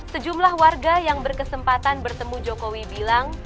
sejumlah warga yang berkesempatan bertemu jokowi bilang